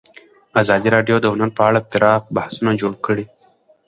ازادي راډیو د هنر په اړه پراخ بحثونه جوړ کړي.